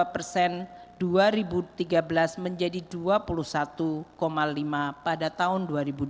pemerintah mencapai dua puluh satu lima pada tahun dua ribu dua puluh tiga